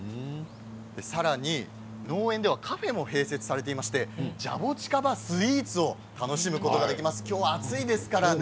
さらに農園ではカフェも併設されていてジャボチカバスイーツを楽しむことができます。